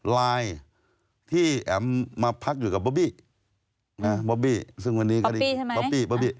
ไลน์ที่แอมป์มาพักอยู่กับป๊อบปี้